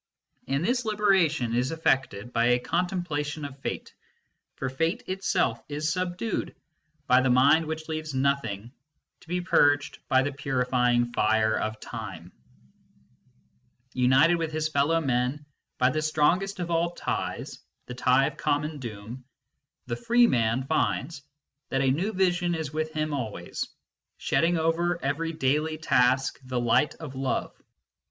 And this liberation is effected by a con templation of Fate ; for Fate itself is subdued by the 5 6 MYSTICISM AND LOGIC mind which leaves nothing to be purged by the purifying fire of Time. United with his fellow men by the strongest of all ties, the tie of a common doom, the free man finds that a new vision is with him always, shedding over every daily task the light of love.